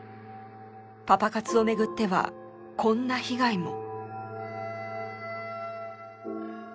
パパ活をめぐってはこんな被害も。